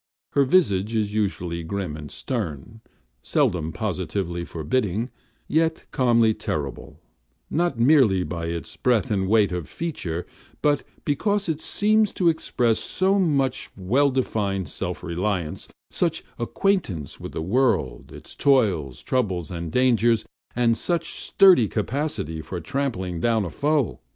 Her visage is usually grim and stern, seldom positively forbidding, yet calmly terrible, not merely by its breadth and weight of feature, but because it seems to express so much well defined self reliance, such acquaintance with the world, its toils, troubles, and dangers, and such sturdy capacity for trampling down a foe.